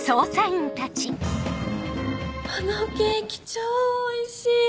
このケーキ超おいしい！